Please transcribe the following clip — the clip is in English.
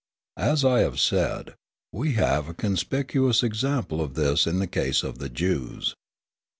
As I have said, we have a conspicuous example of this in the case of the Jews.